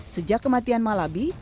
sejak kematian malabi